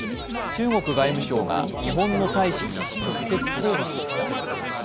中国外務省が日本の大使に直接抗議しました。